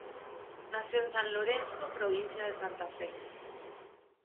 Nació en San Lorenzo, Provincia de Santa Fe.